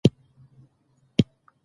بيزو د ماشومانو سره لوبې کوي.